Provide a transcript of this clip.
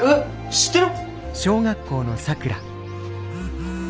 知ってる！？